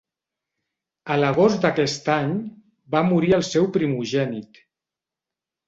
A l'agost d'aquest any, va morir el seu primogènit.